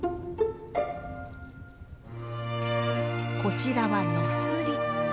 こちらはノスリ。